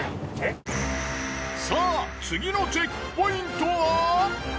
さぁ次のチェックポイントは？